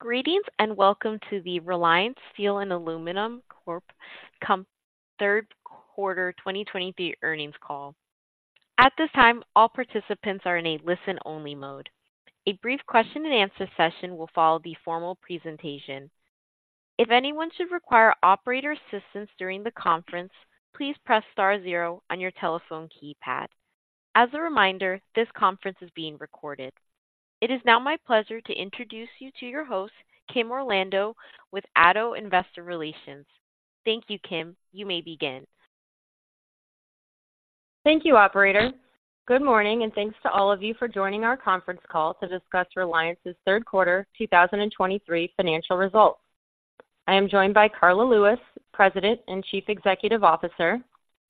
Greetings, and welcome to the Reliance Steel & Aluminum Co.'s third quarter 2023 earnings call. At this time, all participants are in a listen-only mode. A brief question-and-answer session will follow the formal presentation. If anyone should require operator assistance during the conference, please press star zero on your telephone keypad. As a reminder, this conference is being recorded. It is now my pleasure to introduce you to your host, Kim Orlando, with Addo Investor Relations. Thank you, Kim. You may begin. Thank you, operator. Good morning, and thanks to all of you for joining our conference call to discuss Reliance's third quarter 2023 financial results. I am joined by Karla Lewis, President and Chief Executive Officer;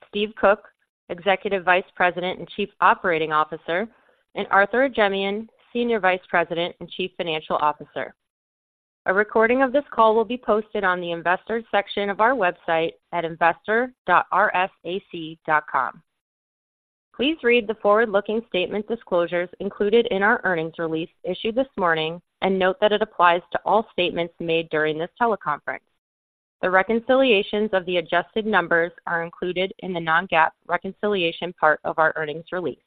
Stephen Koch, Executive Vice President and Chief Operating Officer; and Arthur Ajemyan, Senior Vice President and Chief Financial Officer. A recording of this call will be posted on the Investors section of our website at investor.rsac.com. Please read the forward-looking statement disclosures included in our earnings release issued this morning, and note that it applies to all statements made during this teleconference. The reconciliations of the adjusted numbers are included in the non-GAAP reconciliation part of our earnings release.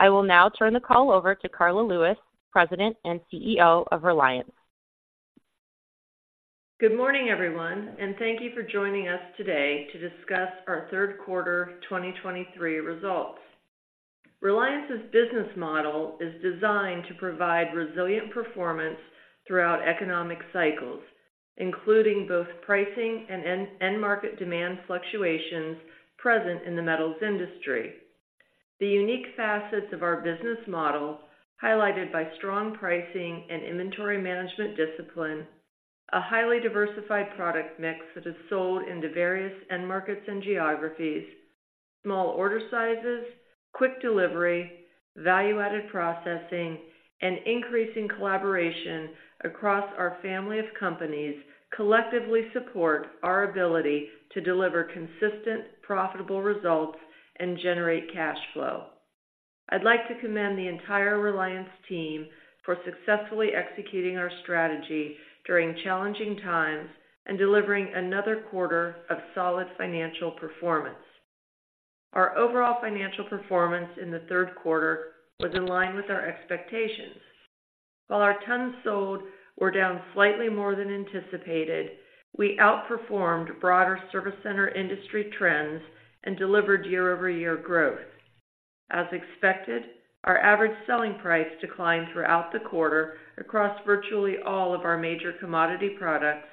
I will now turn the call over to Karla Lewis, President and CEO of Reliance. Good morning, everyone, and thank you for joining us today to discuss our third quarter 2023 results. Reliance's business model is designed to provide resilient performance throughout economic cycles, including both pricing and end, end market demand fluctuations present in the metals industry. The unique facets of our business model, highlighted by strong pricing and inventory management discipline, a highly diversified product mix that is sold into various end markets and geographies, small order sizes, quick delivery, value-added processing, and increasing collaboration across our family of companies collectively support our ability to deliver consistent, profitable results and generate cash flow. I'd like to commend the entire Reliance team for successfully executing our strategy during challenging times and delivering another quarter of solid financial performance. Our overall financial performance in the third quarter was in line with our expectations. While our tons sold were down slightly more than anticipated, we outperformed broader service center industry trends and delivered year-over-year growth. As expected, our average selling price declined throughout the quarter across virtually all of our major commodity products,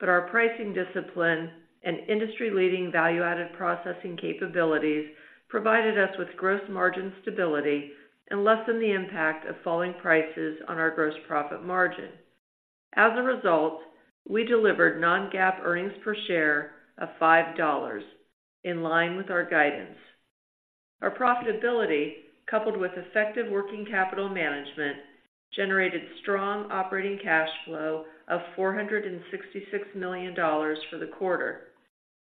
but our pricing discipline and industry-leading value-added processing capabilities provided us with gross margin stability and lessened the impact of falling prices on our gross profit margin. As a result, we delivered non-GAAP earnings per share of $5, in line with our guidance. Our profitability, coupled with effective working capital management, generated strong operating cash flow of $466 million for the quarter.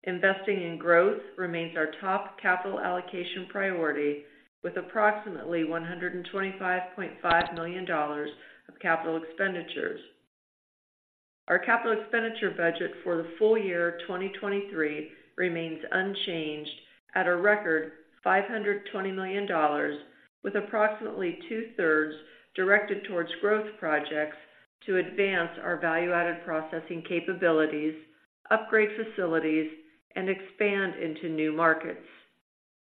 Investing in growth remains our top capital allocation priority, with approximately $125.5 million of capital expenditures. Our capital expenditure budget for the full year 2023 remains unchanged at a record $520 million, with approximately two-thirds directed towards growth projects to advance our value-added processing capabilities, upgrade facilities, and expand into new markets.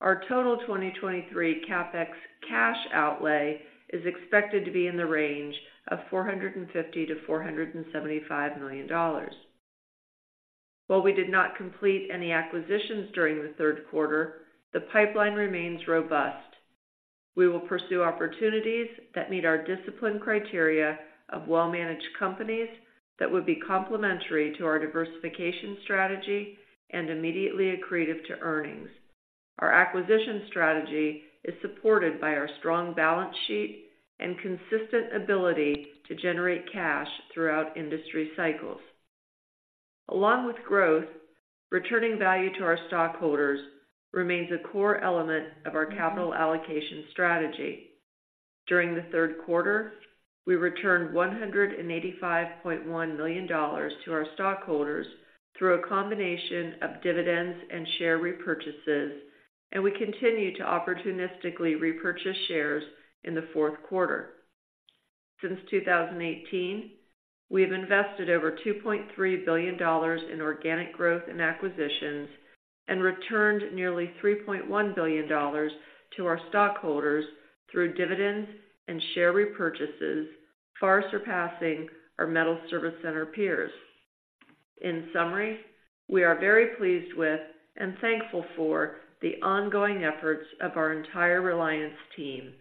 Our total 2023 CapEx cash outlay is expected to be in the range of $450 million-$475 million. While we did not complete any acquisitions during the third quarter, the pipeline remains robust. We will pursue opportunities that meet our discipline criteria of well-managed companies that would be complementary to our diversification strategy and immediately accretive to earnings. Our acquisition strategy is supported by our strong balance sheet and consistent ability to generate cash throughout industry cycles. Along with growth, returning value to our stockholders remains a core element of our capital allocation strategy. During the third quarter, we returned $185.1 million to our stockholders through a combination of dividends and share repurchases, and we continue to opportunistically repurchase shares in the fourth quarter. Since 2018, we have invested over $2.3 billion in organic growth and acquisitions and returned nearly $3.1 billion to our stockholders through dividends and share repurchases, far surpassing our metal service center peers. In summary, we are very pleased with and thankful for the ongoing efforts of our entire Reliance team,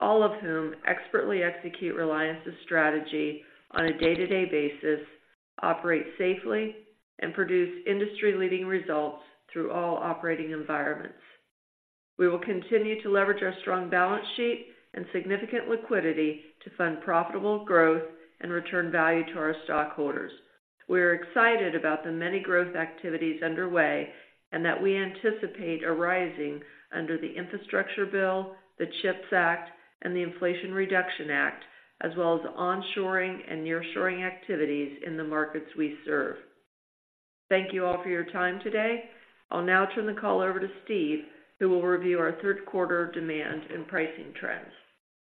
all of whom expertly execute Reliance's strategy on a day-to-day basis, operate safely, and produce industry-leading results through all operating environments. We will continue to leverage our strong balance sheet and significant liquidity to fund profitable growth and return value to our stockholders. We're excited about the many growth activities underway, and that we anticipate arising under the Infrastructure Bill, the CHIPS Act, and the Inflation Reduction Act, as well as onshoring and nearshoring activities in the markets we serve. Thank you all for your time today. I'll now turn the call over to Steve, who will review our third quarter demand and pricing trends.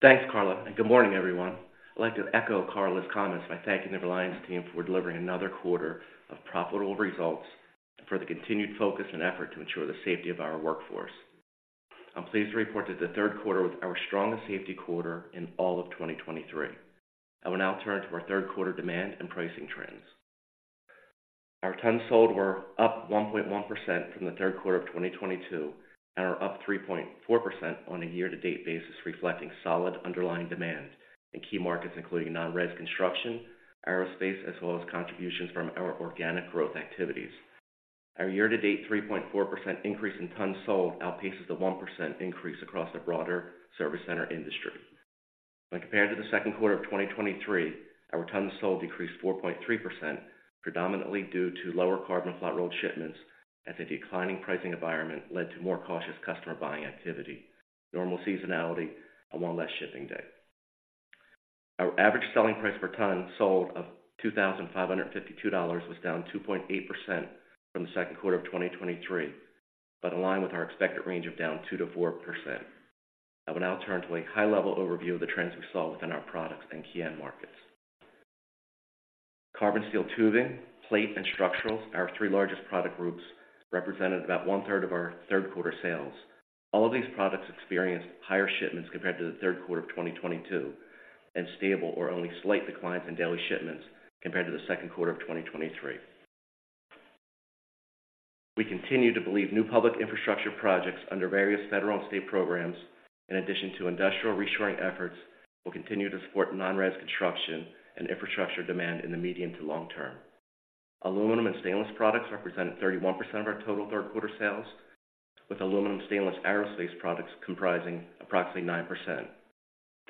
Thanks, Karla, and good morning, everyone. I'd like to echo Karla's comments by thanking the Reliance team for delivering another quarter of profitable results and for the continued focus and effort to ensure the safety of our workforce. I'm pleased to report that the third quarter was our strongest safety quarter in all of 2023. I will now turn to our third quarter demand and pricing trends. Our tons sold were up 1.1% from the third quarter of 2022, and are up 3.4% on a year-to-date basis, reflecting solid underlying demand in key markets, including non-res construction, aerospace, as well as contributions from our organic growth activities. Our year-to-date 3.4% increase in tons sold outpaces the 1% increase across the broader service center industry. When compared to the second quarter of 2023, our tons sold decreased 4.3%, predominantly due to lower carbon flat-rolled shipments, as a declining pricing environment led to more cautious customer buying activity, normal seasonality, and one less shipping day. Our average selling price per ton sold of $2,552 was down 2.8% from the second quarter of 2023, but in line with our expected range of down 2%-4%. I will now turn to a high-level overview of the trends we saw within our products and key end markets. Carbon steel tubing, plate, and structurals, our three largest product groups, represented about one-third of our third quarter sales. All of these products experienced higher shipments compared to the third quarter of 2022, and stable or only slight declines in daily shipments compared to the second quarter of 2023. We continue to believe new public infrastructure projects under various federal and state programs, in addition to industrial reshoring efforts, will continue to support non-res construction and infrastructure demand in the medium to long-term. Aluminum and stainless products represented 31% of our total third quarter sales, with aluminum stainless aerospace products comprising approximately 9%.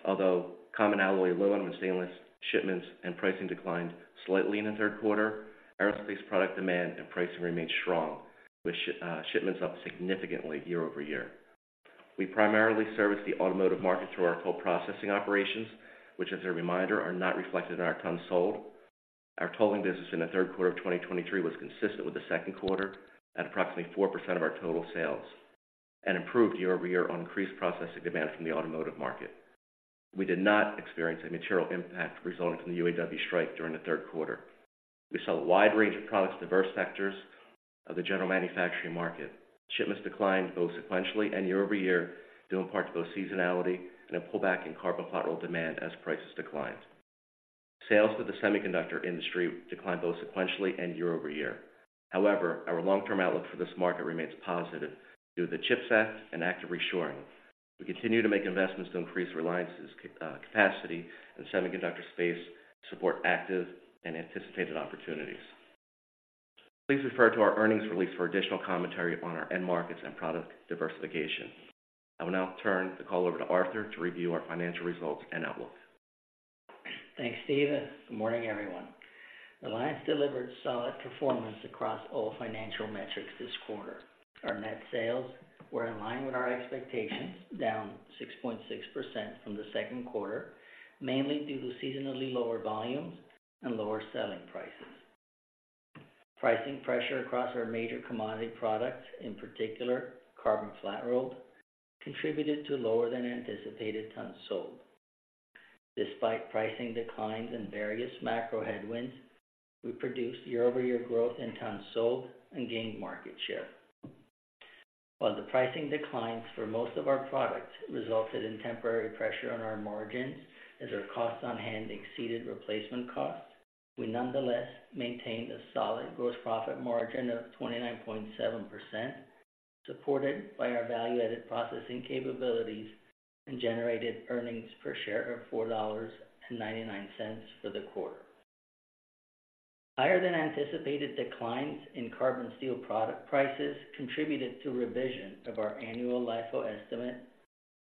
Although common alloy, aluminum, and stainless shipments and pricing declined slightly in the third quarter, aerospace product demand and pricing remained strong, with shipments up significantly year-over-year. We primarily service the automotive market through our cold processing operations, which, as a reminder, are not reflected in our tons sold. Our tolling business in the third quarter of 2023 was consistent with the second quarter, at approximately 4% of our total sales, and improved year-over-year on increased processing demand from the automotive market. We did not experience a material impact resulting from the UAW strike during the third quarter. We sell a wide range of products to diverse sectors of the general manufacturing market. Shipments declined both sequentially and year-over-year, due in part to both seasonality and a pullback in carbon flat roll demand as prices declined. Sales to the semiconductor industry declined both sequentially and year-over-year. However, our long-term outlook for this market remains positive due to the CHIPS Act and active reshoring. We continue to make investments to increase Reliance's capacity in the semiconductor space to support active and anticipated opportunities. Please refer to our earnings release for additional commentary on our end markets and product diversification. I will now turn the call over to Arthur to review our financial results and outlook. Thanks, Steve, and good morning, everyone. Reliance delivered solid performance across all financial metrics this quarter. Our net sales were in line with our expectations, down 6.6% from the second quarter, mainly due to seasonally lower volumes and lower selling prices. Pricing pressure across our major commodity products, in particular, carbon flat rolled, contributed to lower than anticipated tons sold. Despite pricing declines and various macro headwinds, we produced year-over-year growth in tons sold and gained market share. While the pricing declines for most of our products resulted in temporary pressure on our margins as our costs on hand exceeded replacement costs, we nonetheless maintained a solid gross profit margin of 29.7%, supported by our value-added processing capabilities, and generated earnings per share of $4.99 for the quarter. Higher than anticipated declines in carbon steel product prices contributed to revision of our annual LIFO estimate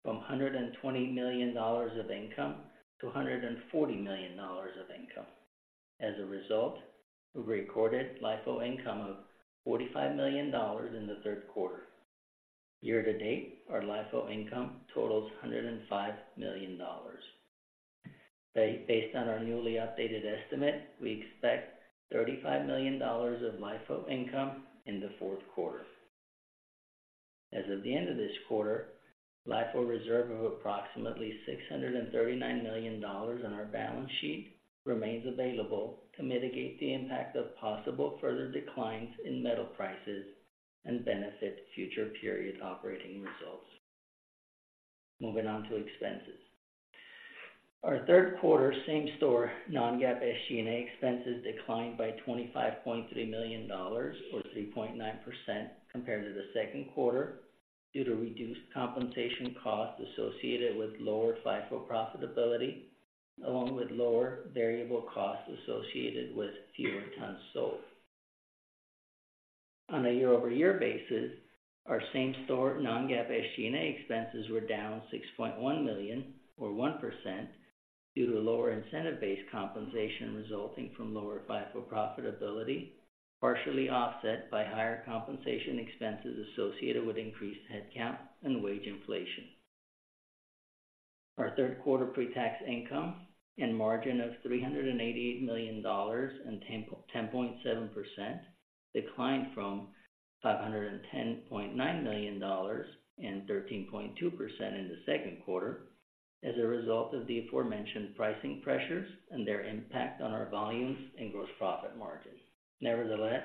from $120 million of income to $140 million of income. As a result, we recorded LIFO income of $45 million in the third quarter. Year to date, our LIFO income totals $105 million. Based on our newly updated estimate, we expect $35 million of LIFO income in the fourth quarter. As of the end of this quarter, LIFO reserve of approximately $639 million on our balance sheet remains available to mitigate the impact of possible further declines in metal prices and benefit future period operating results. Moving on to expenses. Our third quarter same-store, non-GAAP SG&A expenses declined by $25.3 million, or 3.9% compared to the second quarter, due to reduced compensation costs associated with lower FIFO profitability, along with lower variable costs associated with fewer tons sold. On a year-over-year basis, our same-store non-GAAP SG&A expenses were down $6.1 million, or 1%, due to lower incentive-based compensation resulting from lower FIFO profitability, partially offset by higher compensation expenses associated with increased headcount and wage inflation. Our third quarter pretax income and margin of $388 million and 10.7% declined from $510.9 million and 13.2% in the second quarter as a result of the aforementioned pricing pressures and their impact on our volumes and gross profit margin. Nevertheless,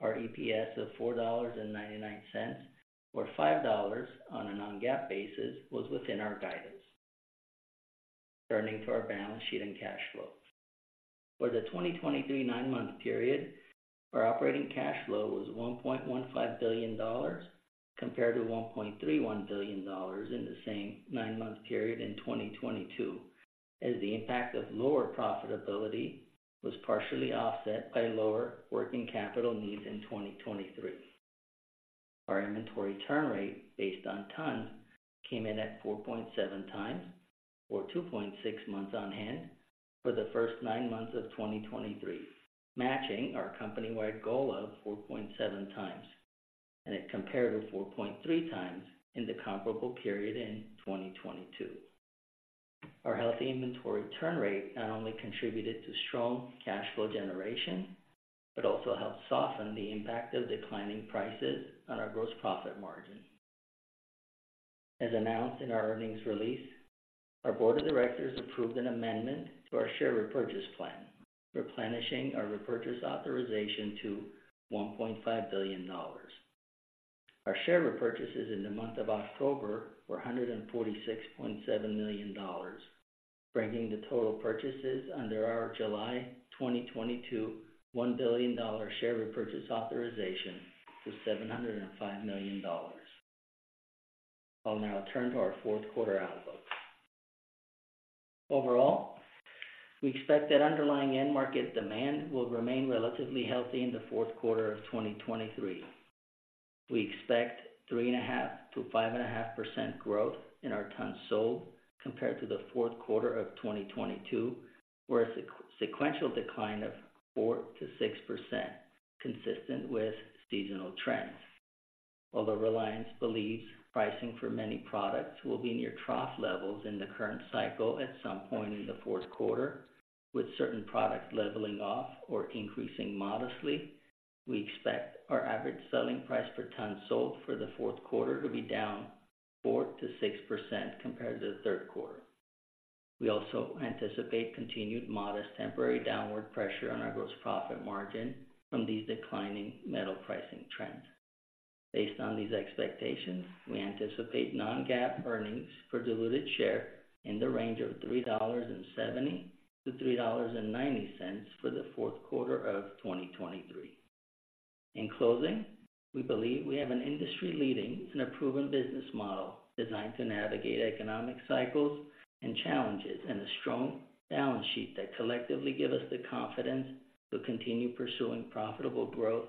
our EPS of $4.99, or $5 on a non-GAAP basis, was within our guidance. Turning to our balance sheet and cash flow. For the 2023 nine-month period, our operating cash flow was $1.15 billion, compared to $1.31 billion in the same nine-month period in 2022, as the impact of lower profitability was partially offset by lower working capital needs in 2023. Our inventory turn rate, based on tons, came in at 4.7x, or 2.6 months on hand, for the first nine months of 2023, matching our company-wide goal of 4.7x, and it compared to 4.3x in the comparable period in 2022. Our healthy inventory turn rate not only contributed to strong cash flow generation, but also helped soften the impact of declining prices on our gross profit margin. As announced in our earnings release, our board of directors approved an amendment to our share repurchase plan, replenishing our repurchase authorization to $1.5 billion. Our share repurchases in the month of October were $146.7 million, bringing the total purchases under our July 2022 $1 billion share repurchase authorization to $705 million. I'll now turn to our fourth quarter outlook. Overall, we expect that underlying end market demand will remain relatively healthy in the fourth quarter of 2023. We expect 3.5%-5.5% growth in our tons sold compared to the fourth quarter of 2022, or a sequential decline of 4%-6%, consistent with seasonal trends. Although Reliance believes pricing for many products will be near trough levels in the current cycle at some point in the fourth quarter, with certain products leveling off or increasing modestly, we expect our average selling price per ton sold for the fourth quarter to be down 4%-6% compared to the third quarter. We also anticipate continued modest temporary downward pressure on our gross profit margin from these declining metal pricing trends. Based on these expectations, we anticipate non-GAAP earnings per diluted share in the range of $3.70-$3.90 for the fourth quarter of 2023. In closing, we believe we have an industry-leading and a proven business model designed to navigate economic cycles and challenges, and a strong balance sheet that collectively give us the confidence to continue pursuing profitable growth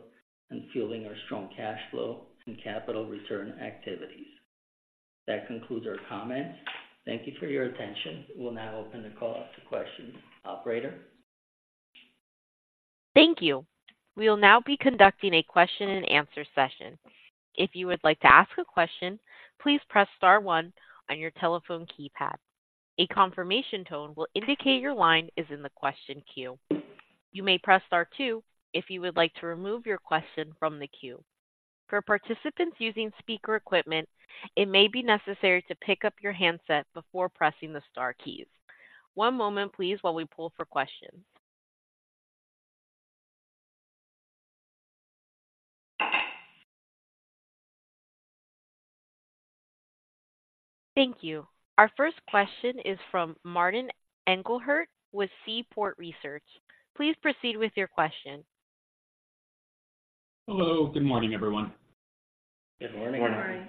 and fueling our strong cash flow and capital return activities. That concludes our comments. Thank you for your attention. We'll now open the call up to questions. Operator? Thank you. We will now be conducting a question-and-answer session. If you would like to ask a question, please press star one on your telephone keypad. A confirmation tone will indicate your line is in the question queue. You may press star two if you would like to remove your question from the queue. For participants using speaker equipment, it may be necessary to pick up your handset before pressing the star keys. One moment please, while we pull for questions. Thank you. Our first question is from Martin Englert with Seaport Research. Please proceed with your question. Hello. Good morning, everyone. Good morning. Good morning.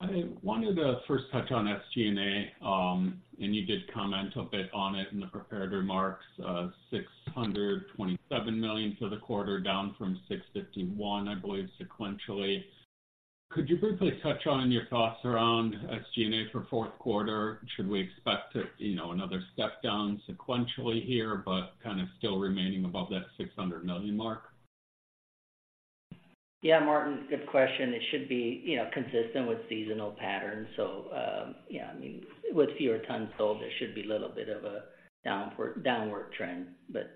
I wanted to first touch on SG&A, and you did comment a bit on it in the prepared remarks, $627 million for the quarter, down from $651 million, I believe, sequentially. Could you briefly touch on your thoughts around SG&A for fourth quarter? Should we expect to, you know, another step down sequentially here, but kind of still remaining above that $600 million mark? Yeah, Martin, good question. It should be, you know, consistent with seasonal patterns. So, yeah, I mean, with fewer tons sold, there should be a little bit of a downward trend, but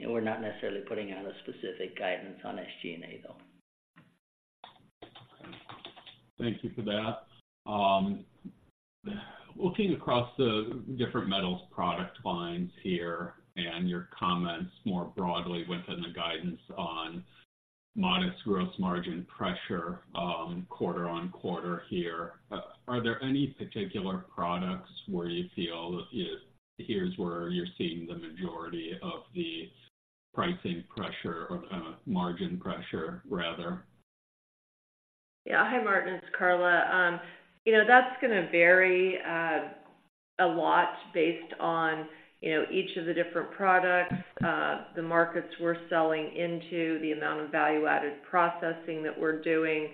we're not necessarily putting out a specific guidance on SG&A, though. Thank you for that. Looking across the different metals product lines here, and your comments more broadly within the guidance on modest gross margin pressure, quarter on quarter here, are there any particular products where you feel here's where you're seeing the majority of the pricing pressure or, margin pressure, rather? Yeah. Hi, Martin, it's Karla. You know, that's gonna vary a lot based on, you know, each of the different products, the markets we're selling into, the amount of value-added processing that we're doing.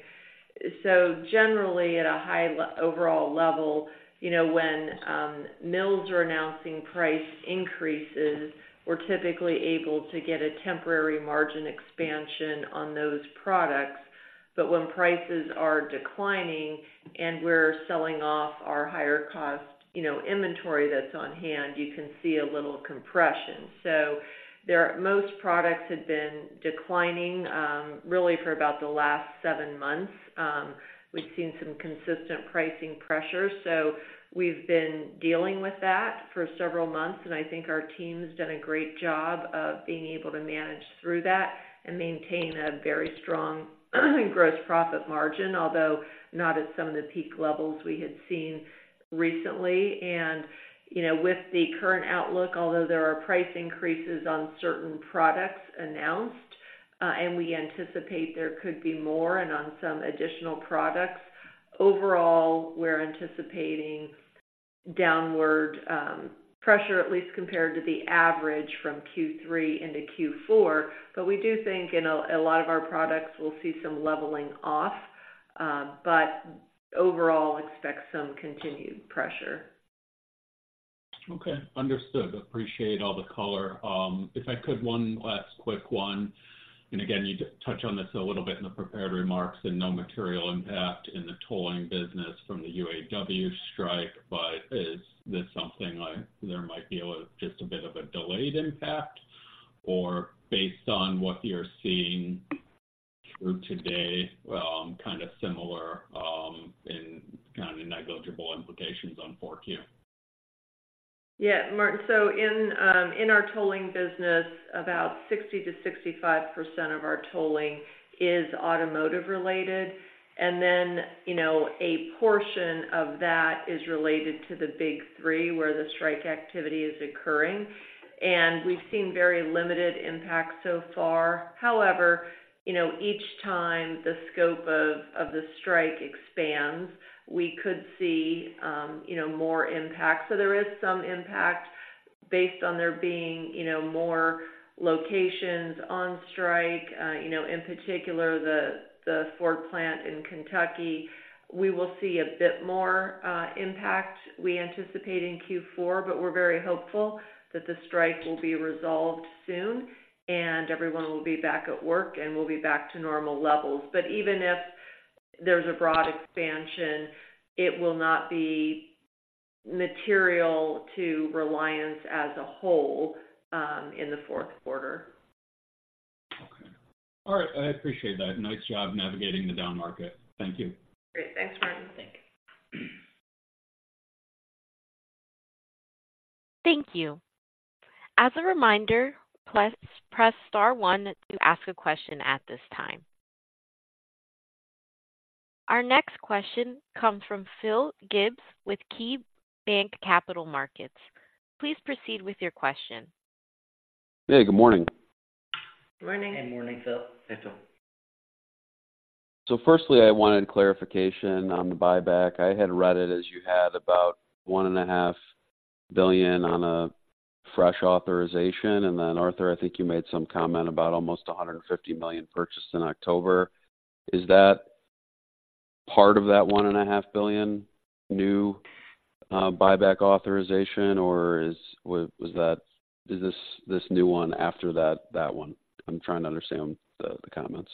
So generally, at a high overall level, you know, when mills are announcing price increases, we're typically able to get a temporary margin expansion on those products. But when prices are declining and we're selling off our higher cost, you know, inventory that's on hand, you can see a little compression. So there, most products had been declining really for about the last seven months. We've seen some consistent pricing pressures, so we've been dealing with that for several months, and I think our team's done a great job of being able to manage through that and maintain a very strong gross profit margin, although not at some of the peak levels we had seen recently. And, you know, with the current outlook, although there are price increases on certain products announced, and we anticipate there could be more and on some additional products, overall, we're anticipating downward pressure, at least compared to the average from Q3 into Q4. But we do think in a lot of our products, we'll see some leveling off, but overall, expect some continued pressure. Okay, understood. Appreciate all the color. If I could, one last quick one, and again, you touched on this a little bit in the prepared remarks and no material impact in the tolling business from the UAW strike, but is this something like there might be a little, just a bit of a delayed impact? Or based on what you're seeing through today, kind of similar, and kind of negligible implications on 4Q. Yeah, Martin. So in our tolling business, about 60%-65% of our tolling is automotive related, and then, you know, a portion of that is related to the Big Three, where the strike activity is occurring. We've seen very limited impact so far. However, you know, each time the scope of the strike expands, we could see more impact. So there is some impact based on there being, you know, more locations on strike, you know, in particular, the Ford plant in Kentucky. We will see a bit more impact we anticipate in Q4, but we're very hopeful that the strike will be resolved soon, and everyone will be back at work, and we'll be back to normal levels. Even if there's a broad expansion, it will not be material to Reliance as a whole, in the fourth quarter. Okay. All right, I appreciate that. Nice job navigating the down market. Thank you. Great. Thanks, Martin. Thank you. Thank you. As a reminder, press, press star one to ask a question at this time. Our next question comes from Phil Gibbs with KeyBanc Capital Markets. Please proceed with your question. Hey, good morning. Morning. Morning, Phil. Hey, Phil. So firstly, I wanted clarification on the buyback. I had read it as you had about $1.5 billion on a fresh authorization, and then, Arthur, I think you made some comment about almost $150 million purchased in October. Is that part of that $1.5 billion new buyback authorization, or is that, was that, is this, this new one after that, that one? I'm trying to understand the, the comments.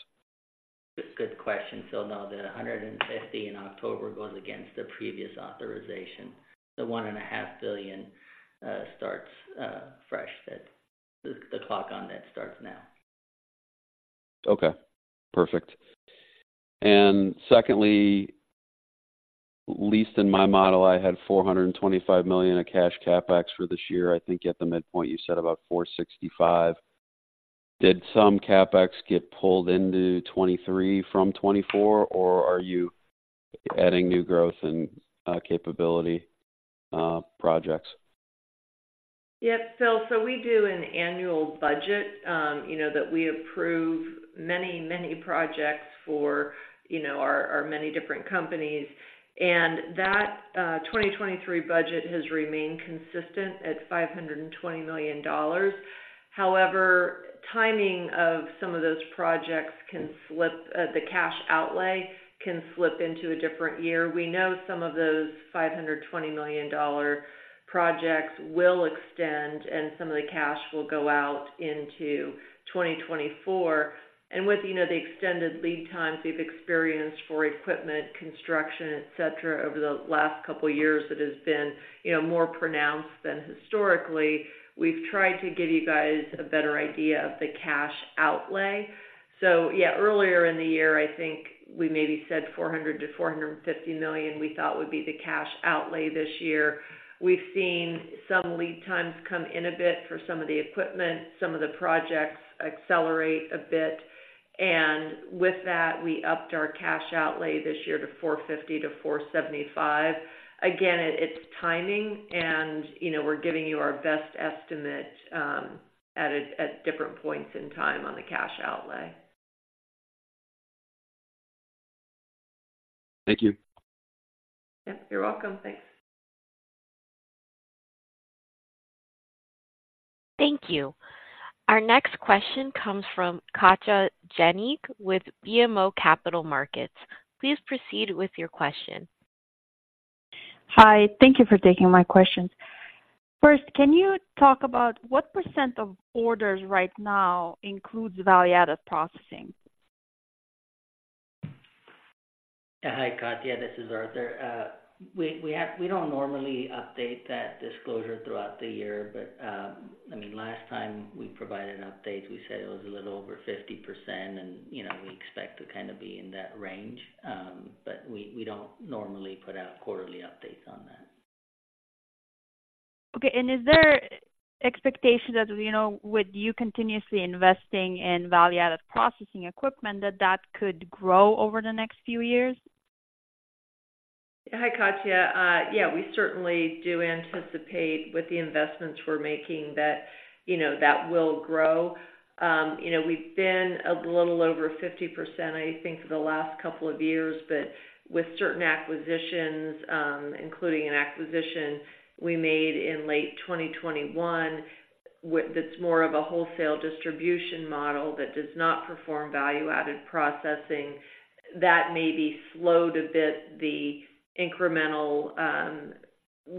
Good question, Phil. No, the $150 in October goes against the previous authorization. The $1.5 billion starts fresh. That, the clock on that starts now. Okay, perfect. And secondly, at least in my model, I had $425 million of cash CapEx for this year. I think at the midpoint, you said about $465. Did some CapEx get pulled into 2023 from 2024, or are you adding new growth and capability projects? Yep, Phil. So we do an annual budget, you know, that we approve many, many projects for, you know, our, our many different companies, and that 2023 budget has remained consistent at $520 million. However, timing of some of those projects can slip, the cash outlay can slip into a different year. We know some of those $520 million dollar projects will extend, and some of the cash will go out into 2024. And with, you know, the extended lead times we've experienced for equipment, construction, et cetera, over the last couple of years, it has been, you know, more pronounced than historically. We've tried to give you guys a better idea of the cash outlay. So yeah, earlier in the year, I think we maybe said $400 million-$450 million, we thought would be the cash outlay this year. We've seen some lead times come in a bit for some of the equipment, some of the projects accelerate a bit, and with that, we upped our cash outlay this year to $450 million-$475 million. Again, it's timing, and, you know, we're giving you our best estimate at different points in time on the cash outlay. Thank you. Yep, you're welcome. Thanks. Thank you. Our next question comes from Katja Jancic with BMO Capital Markets. Please proceed with your question. Hi, thank you for taking my questions. First, can you talk about what percent of orders right now includes value-added processing? Hi, Katja, this is Arthur. We have—we don't normally update that disclosure throughout the year, but, I mean, last time we provided an update, we said it was a little over 50%, and, you know, we expect to kind of be in that range. But we don't normally put out quarterly updates on that. Okay, and is there expectation that, you know, with you continuously investing in value-added processing equipment, that that could grow over the next few years? Hi, Katja. Yeah, we certainly do anticipate with the investments we're making that, you know, that will grow. You know, we've been a little over 50%, I think, for the last couple of years, but with certain acquisitions, including an acquisition we made in late 2021, that's more of a wholesale distribution model that does not perform value-added processing. That maybe slowed a bit, the incremental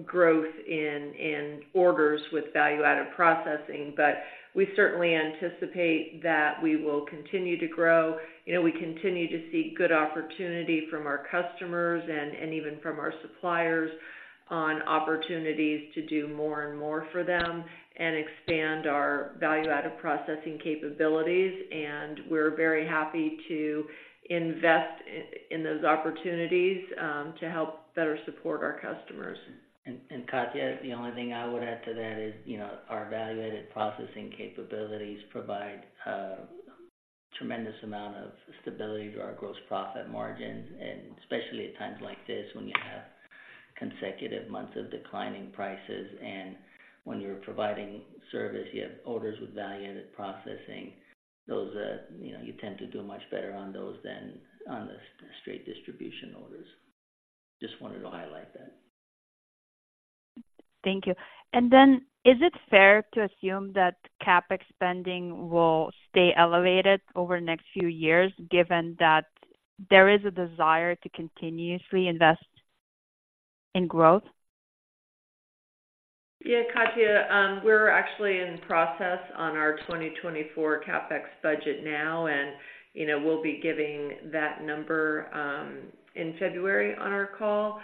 growth in orders with value-added processing, but we certainly anticipate that we will continue to grow. You know, we continue to see good opportunity from our customers and even from our suppliers on opportunities to do more and more for them and expand our value-added processing capabilities. And we're very happy to invest in those opportunities to help better support our customers. Katja, the only thing I would add to that is, you know, our value-added processing capabilities provide a tremendous amount of stability to our gross profit margins, and especially at times like this, when you have consecutive months of declining prices and when you're providing service, you have orders with value-added processing. Those, you know, you tend to do much better on those than on the straight distribution orders. Just wanted to highlight that. Thank you. And then is it fair to assume that CapEx spending will stay elevated over the next few years, given that there is a desire to continuously invest in growth? Yeah, Katja, we're actually in the process on our 2024 CapEx budget now, and, you know, we'll be giving that number in February on our call.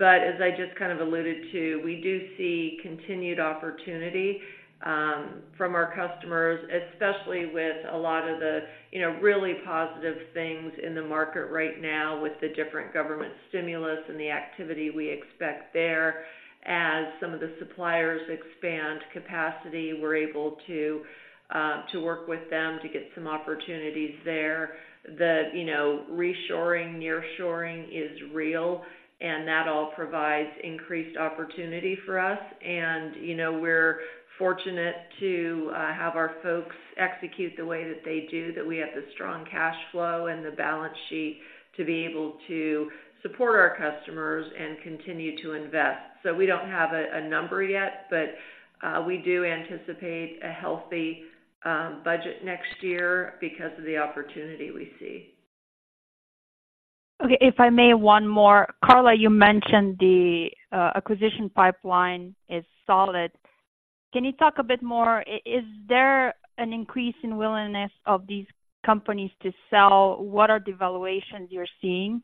But as I just kind of alluded to, we do see continued opportunity from our customers, especially with a lot of the, you know, really positive things in the market right now with the different government stimulus and the activity we expect there. As some of the suppliers expand capacity, we're able to work with them to get some opportunities there. The, you know, reshoring, nearshoring is real, and that all provides increased opportunity for us. And, you know, we're fortunate to have our folks execute the way that they do, that we have the strong cash flow and the balance sheet to be able to support our customers and continue to invest. So we don't have a number yet, but we do anticipate a healthy budget next year because of the opportunity we see. Okay. If I may, one more. Karla, you mentioned the acquisition pipeline is solid. Can you talk a bit more? Is there an increase in willingness of these companies to sell? What are the valuations you're seeing?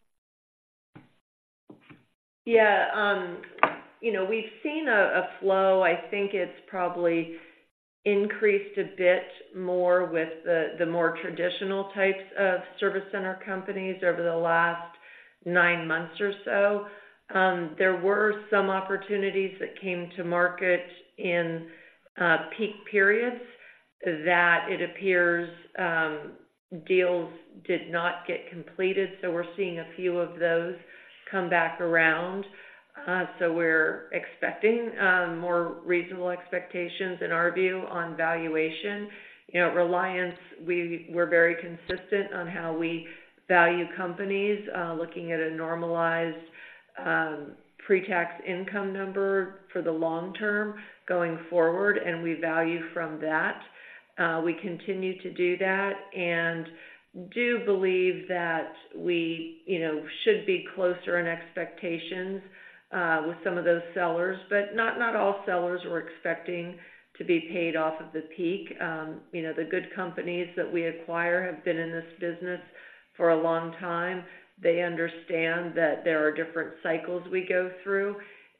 Yeah, you know, we've seen a flow. I think it's probably increased a bit more with the more traditional types of service center companies over the last nine months or so. There were some opportunities that came to market in peak periods that it appears deals did not get completed, so we're seeing a few of those come back around. So we're expecting more reasonable expectations in our view on valuation. You know, Reliance, we're very consistent on how we value companies, looking at a normalized pre-tax income number for the long-term going forward, and we value from that. We continue to do that and do believe that we, you know, should be closer in expectations with some of those sellers, but not all sellers were expecting to be paid off of the peak. You know, the good companies that we acquire have been in this business for a long time. They understand that there are different cycles we go through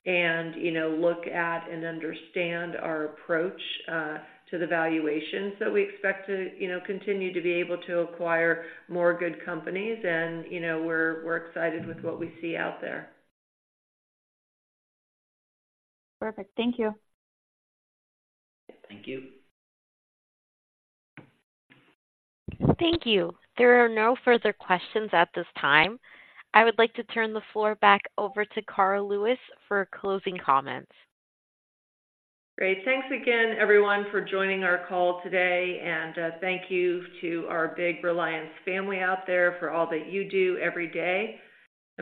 and, you know, look at and understand our approach to the valuations that we expect to, you know, continue to be able to acquire more good companies and, you know, we're, we're excited with what we see out there. Perfect. Thank you. Thank you. Thank you. There are no further questions at this time. I would like to turn the floor back over to Karla Lewis for closing comments. Great. Thanks again, everyone, for joining our call today, and thank you to our big Reliance family out there for all that you do every day.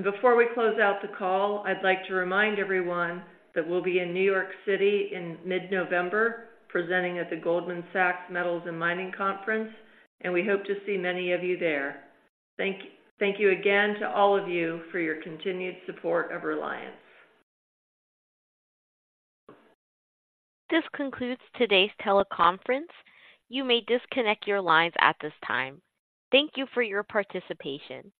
Before we close out the call, I'd like to remind everyone that we'll be in New York City in mid-November, presenting at the Goldman Sachs Metals & Mining Conference, and we hope to see many of you there. Thank you again to all of you for your continued support of Reliance. This concludes today's teleconference. You may disconnect your lines at this time. Thank you for your participation.